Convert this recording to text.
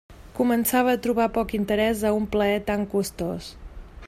Començava a trobar poc interès a un plaer tan costós.